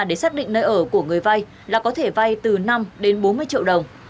để xác định nơi ở của người vay là có thể vay từ năm đến bốn mươi triệu đồng